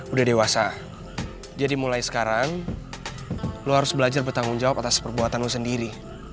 udah dewasa jadi mulai sekarang lu harus belajar bertanggung jawab atas perbuatan lo sendiri